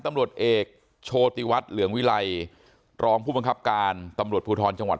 ตำรวจเอกโชติวัฒน์เหลืองวิไลรองผู้บังคับการตำรวจภูทรจังหวัด